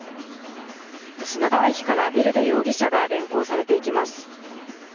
品川駅からヴェルデ容疑者が連行されていきます。